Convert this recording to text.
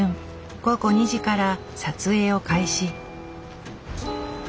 午後２時から撮影を開始。